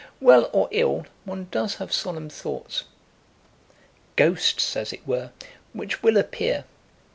Well or ill, one does have solemn thoughts; ghosts, as it were, which will appear.